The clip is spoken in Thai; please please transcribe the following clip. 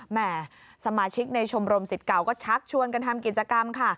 แห่สมาชิกในชมรมสิทธิ์เก่าก็ชักชวนกันทำกิจกรรมค่ะ